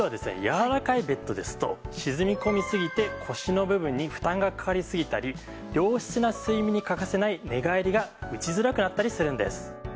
柔らかいベッドですと沈み込みすぎて腰の部分に負担がかかりすぎたり良質な睡眠に欠かせない寝返りが打ちづらくなったりするんです。